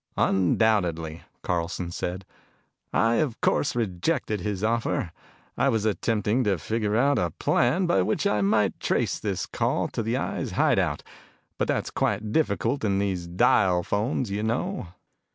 "Undoubtedly," Carlson said. "I, of course, rejected his offer. I was attempting to figure out a plan by which I might trace this call to the Eye's hideout, but that's quite difficult with these dial phones, you know.